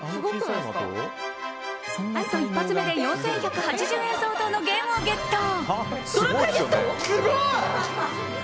何と１発目で４１８０円相当のゲームをゲット。